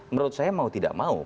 menurut saya mau tidak mau